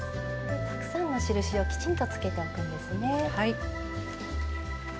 たくさんの印をきちんとつけておくんですね。